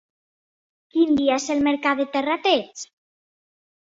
Quin dia és el mercat de Terrateig?